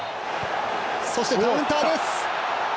そしてカウンターです！